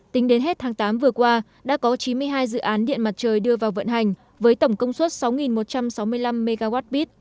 tính đến hết tháng tám vừa qua đã có chín mươi hai dự án điện mặt trời đưa vào vận hành với tổng công suất sáu một trăm sáu mươi năm mwbit